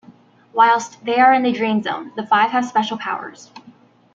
Whilst they are in the Dream Zone, the five have special powers.